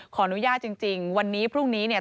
ขออนุญาตจริงวันนี้พรุ่งนี้เนี่ย